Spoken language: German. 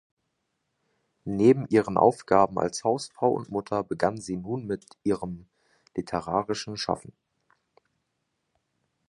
Neben ihren Aufgaben als Hausfrau und Mutter begann sie nun mit ihrem literarischen Schaffen.